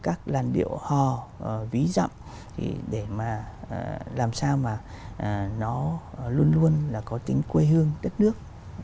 các làn điệu dân ca các làn điệu hò ví dặm để làm sao mà nó luôn luôn có tính quê hương đất nước